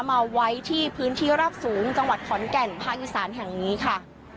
มาไว้ที่พื้นที่ราบสูงจังหวัดขอนแก่นภาคอีสานแห่งนี้ค่ะ